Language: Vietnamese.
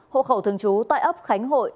hộ khẩu thường trú tại ấp khánh hội